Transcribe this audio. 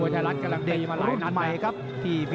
ทายรัฐการังตีออกมาหลายนั้น